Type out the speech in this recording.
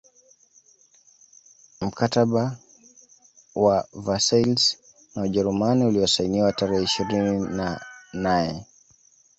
Mkataba wa Versailles na Ujerumani uliosainiwa tarehe ishirini na nae